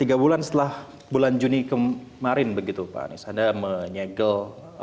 tiga bulan setelah bulan juni kemarin begitu pak anies anda menyegel